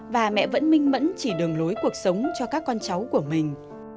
và mẹ vẫn minh mẫn chỉ đường lối cuộc sống cho các con cháu của mình